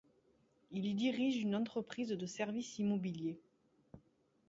Il y dirige une entreprise de services immobiliers.